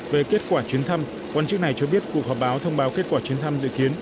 về kết quả chuyến thăm quan chức này cho biết cuộc họp báo thông báo kết quả chuyến thăm dự kiến